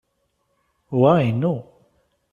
Wa inu!